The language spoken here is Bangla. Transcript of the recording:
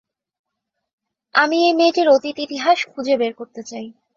আমি এই মেয়েটির অতীত ইতিহাস খুঁজে বের করতে চাই।